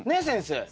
先生。